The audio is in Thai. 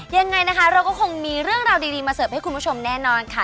ยังไงนะคะเราก็คงมีเรื่องราวดีมาเสิร์ฟให้คุณผู้ชมแน่นอนค่ะ